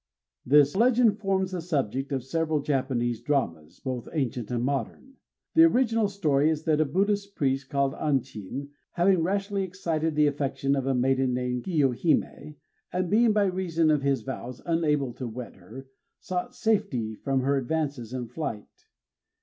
_ This legend forms the subject of several Japanese dramas, both ancient and modern. The original story is that a Buddhist priest, called Anchin, having rashly excited the affection of a maiden named Kiyohimé, and being, by reason of his vows, unable to wed her, sought safety from her advances in flight.